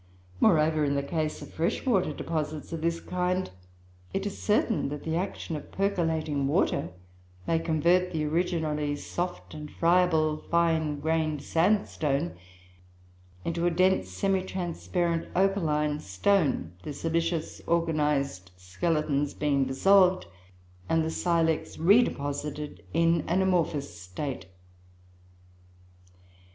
Moreover, in the case of freshwater deposits of this kind it is certain that the action of percolating water may convert the originally soft and friable, fine grained sandstone into a dense, semi transparent opaline stone, the silicious organized skeletons being dissolved, and the silex re deposited in an amorphous state.